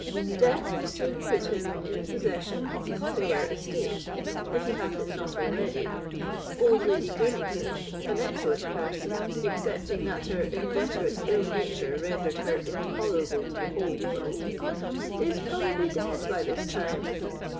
Death will soon put him in possession of a fair estate, if he hath it not already; old Lady Girnington—an excellent person, excepting that her inveterate ill nature rendered her intolerable to the whole world—is probably dead by this time.